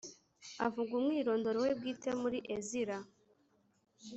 avuga umwirondoro we bwite muri Ezira